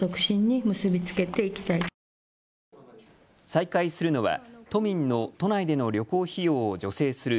再開するのは都民の都内での旅行費用を助成する